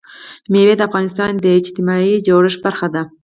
مېوې د افغانستان د اجتماعي جوړښت برخه ده.